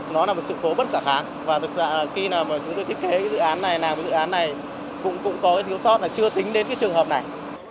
nó là một sự cố bất cả khác và thực ra khi chúng tôi thiết kế dự án này làm dự án này cũng có thiếu sót là chưa tính đến trường hợp này